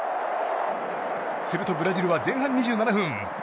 すると、ブラジルは前半２７分。